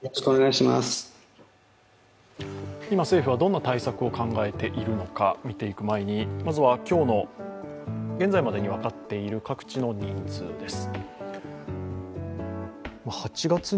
今、政府はどんな対策を考えているのか、見ていく前に、まずは今日の現在までに分かっている各地の人数です。